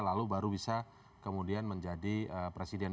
lalu baru bisa kemudian menjadi presiden